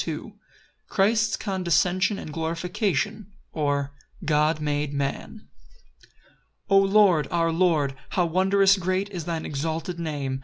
Christ's condescension and glorification; or, God made man. 1 O Lord, our Lord, how wondrous great Is thine exalted name!